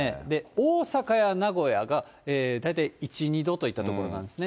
大阪や名古屋が大体１、２度といったところなんですね。